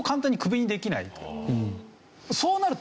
そうなると。